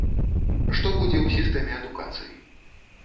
Што будзе ў сістэме адукацыі?